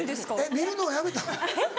見るのをやめたん？